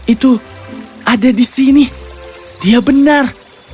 itu ada di sini dia benar